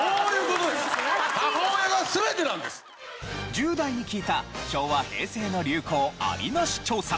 １０代に聞いた昭和・平成の流行アリナシ調査。